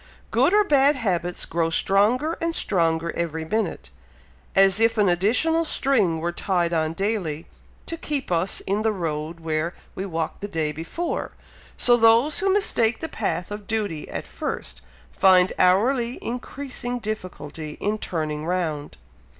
"Good or bad habits grow stronger and stronger every minute, as if an additional string were tied on daily, to keep us in the road where we walked the day before; so those who mistake the path of duty at first, find hourly increasing difficulty in turning round."